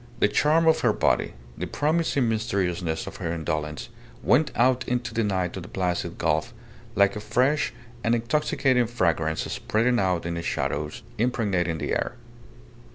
The charm of her body, the promising mysteriousness of her indolence, went out into the night of the Placid Gulf like a fresh and intoxicating fragrance spreading out in the shadows, impregnating the air.